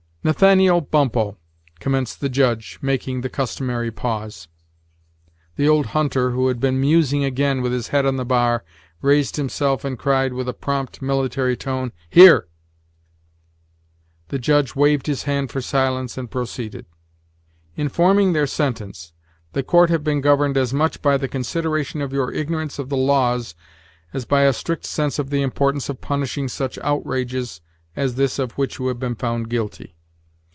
"Nathaniel Bumppo," commenced the Judge, making the customary pause. The old hunter, who had been musing again, with his head on the bar, raised himself, and cried, with a prompt, military tone: "Here." The Judge waved his hand for silence, and proceeded: "In forming their sentence, the court have been governed as much by the consideration of your ignorance of the laws as by a strict sense of the importance of punishing such outrages as this of which you have been found guilty.